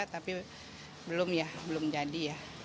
tapi belum ya belum jadi ya